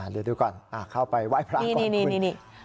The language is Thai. เดี๋ยวดูก่อนเข้าไปไหว้พระก่อนคุณ